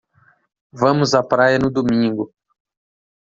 Vamos à praia no domingo